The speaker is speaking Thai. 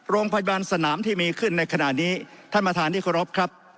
โรงพยาบาลสนามที่มีขึ้นในขณะนี้ท่านประธานที่เคารพครับ